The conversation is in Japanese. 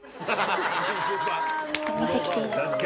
ちょっと見てきていいですか？